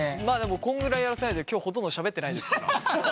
まあでもこんぐらいやらせないと今日ほとんどしゃべってないですから。